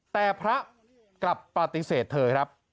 แต่พระกลับปฏิเสธเธอครับ